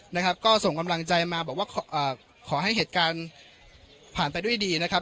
นะครับก็ส่งกำลังใจมาบอกว่าเอ่อขอให้เหตุการณ์ผ่านไปด้วยดีนะครับ